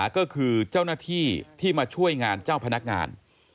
ก็คือเจ้าหน้าที่ที่มาช่วยงานเจ้าพนักงาน